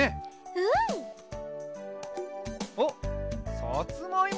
うん。あっさつまいも？